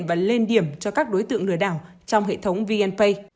và lên điểm cho các đối tượng lừa đảo trong hệ thống vnpay